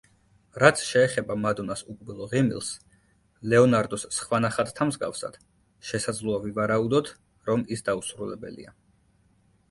რაც შეეხება მადონას უკბილო ღიმილს, ლეონარდოს სხვა ნახატთა მსგავსად, შესაძლოა ვივარაუდოთ, რომ ის დაუსრულებელია.